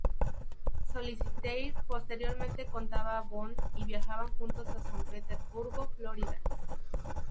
Solitaire posteriormente contacta a Bond y viajan juntos a San Petersburgo, Florida.